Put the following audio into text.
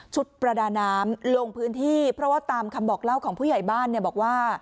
ประดาน้ำลงพื้นที่เพราะว่าตามคำบอกเล่าของผู้ใหญ่บ้านเนี่ยบอกว่า